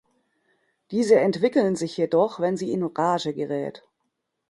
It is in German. Diese entwickeln sich jedoch, wenn sie in Rage gerät.